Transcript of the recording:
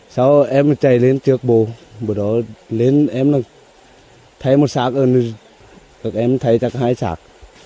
sau em chạy lên trước bố bữa đó lên em là thấy một xác em thấy chắc hai xác